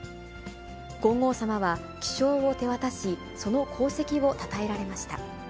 皇后さまは、記章を手渡し、その功績をたたえられました。